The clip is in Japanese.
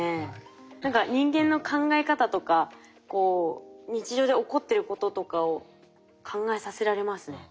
何か人間の考え方とか日常で起こってることとかを考えさせられますね。